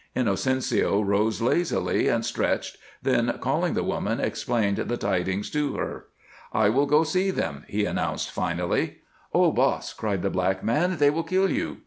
Inocencio rose lazily and stretched, then, calling the woman, explained the tidings to her. "I will go see them," he announced, finally. "Oh, boss," cried the black man, "they will kill you!"